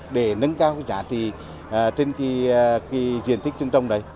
để nâng cao giá trị trên diện tích rừng trồng đấy